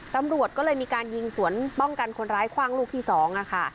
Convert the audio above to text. ตำรวจก็เลยมีการยิงสวนป้องกันคนร้ายคว่างลูกที่๒ค่ะ